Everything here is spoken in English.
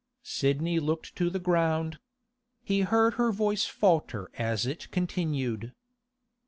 Sidney looked to the ground. He heard her voice falter as it continued.